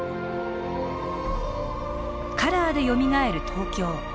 「カラーでよみがえる東京」。